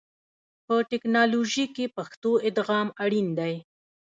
په ټکنالوژي کې پښتو ادغام اړین دی.